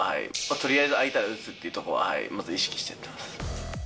とりあえず空いたら打つということはまず意識しています。